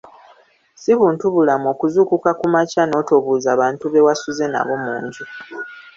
Si buntubulamu okuzuukuka ku makya n’otobuuza bantu bewasuze nabo mu nju.